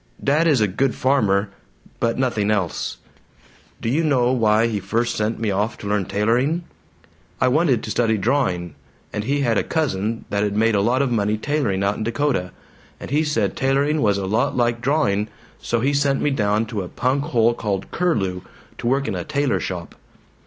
Dad is a good farmer, but nothing else. Do you know why he first sent me off to learn tailoring? I wanted to study drawing, and he had a cousin that'd made a lot of money tailoring out in Dakota, and he said tailoring was a lot like drawing, so he sent me down to a punk hole called Curlew, to work in a tailor shop.